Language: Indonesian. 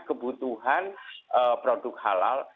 kebutuhan produk halal